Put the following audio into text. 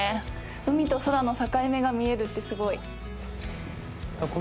海と空の境目が見えるってすごい。